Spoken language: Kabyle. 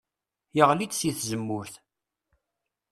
Yeɣli-d si tzemmurt.